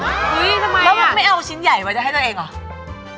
แล้วมันไม่เอาชิ้นใหญ่ไว้จะให้ตัวเองเหรอ